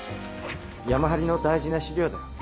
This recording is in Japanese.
山ハリの大事な資料だよ。